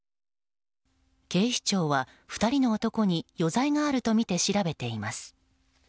警視庁は、２人の男に余罪があるとみて調べています。